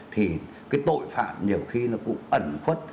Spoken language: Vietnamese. thì cái tội phạm nhiều khi nó cũng ẩn khuất